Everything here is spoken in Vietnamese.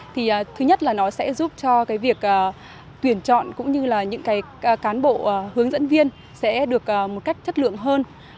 thì thứ nhất là nó sẽ giúp cho việc tuyển chọn cũng như những cán bộ hướng dẫn viên sẽ được một cách chất lượng hơn